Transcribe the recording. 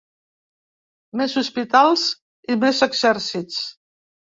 Més hospitals i més exèrcits!